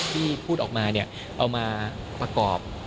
ที่พูดออกมาเอามาประกอบ